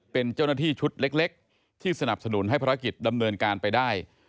เป็นเจ้าหน้าที่ชุดเล็กที่สนับสนุนให้ภารกิจดำเนินการไปได้